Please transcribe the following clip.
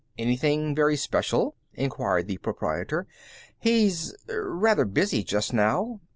"Anything very special?" inquired the proprietor. "He's rather busy just now.